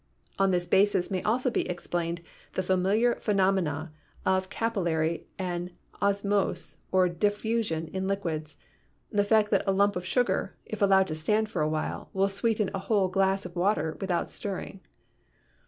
On this basis may also be explained the familiar phenomena of capillar 44 PHYSICS ity and osmose or diffusion in liquids — the fact that a lump of sugar, if allowed to stand for a while, will sweeten a whole glass of water without stirring.